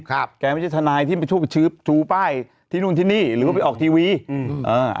แกไม่ใช่ทนายที่ไปช่วยชูป้ายที่นู่นที่นี่หรือว่าไปออกทีวีอืมอ่า